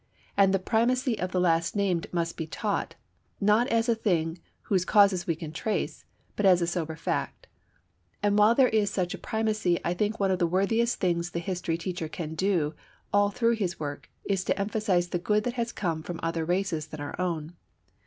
And the primacy of the last named must be taught, not as a thing whose causes we can trace, but as a sober fact. And while there is such a primacy I think one of the worthiest things the history teacher can do all through his work is to emphasize the good that has come from other races than our own.